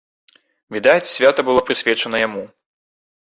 Відаць, свята было прысвечана яму.